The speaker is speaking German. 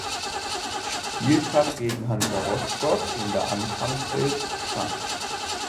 Spieltag gegen Hansa Rostock in der Anfangself stand.